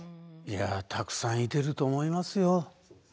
いやたくさんいてると思いますよ。